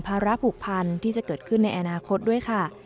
ระผูกพันที่จะเกิดขึ้นในอนาคตด้วยค่ะ